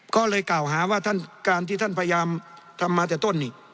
ก็เลยกล่าวหาว่าท่านการที่ท่านพยายามทำมาแต่ต้นนี่